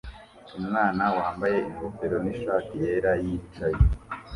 Umwana wambaye ingofero n'ishati yera yicaye